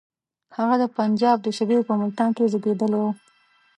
هغه د پنجاب د صوبې په ملتان کې زېږېدلی وو.